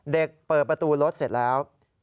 เปิดประตูรถเสร็จแล้ว